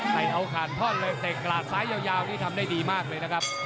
ใส่เอาขาดท่อนเลยเตะกราดซ้ายยาวนี่ทำได้ดีมากเลยนะครับ